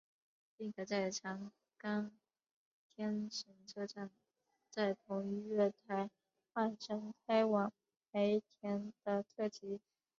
并可在长冈天神车站在同一月台换乘开往梅田的特急。